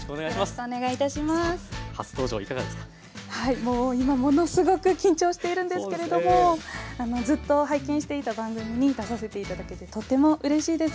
もう今ものすごく緊張しているんですけれどもずっと拝見していた番組に出させて頂けてとてもうれしいです。